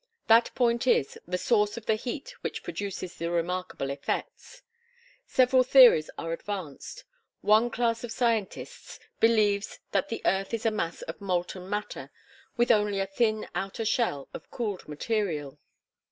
That point is, the source of the heat which produces the remarkable effects. Several theories are advanced. One class of scientists believes that the earth is a mass of molten matter, with only a thin outer shell of cooled material.